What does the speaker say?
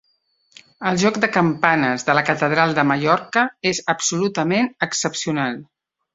El joc de campanes de la catedral de Mallorca és absolutament excepcional.